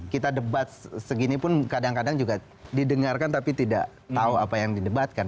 kita debat segini pun kadang kadang juga didengarkan tapi tidak tahu apa yang didebatkan